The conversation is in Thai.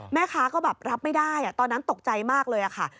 แม่ค้าก็แบบรับไม่ได้ตอนนั้นตกใจมากเลยค่ะ